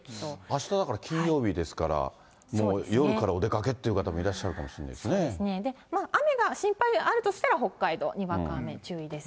あしただから金曜日ですから、もう夜からお出かけっていう方も雨が心配あるとしたら、北海道、にわか雨注意です。